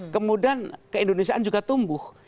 kemudian ke indonesiaan juga tumbuh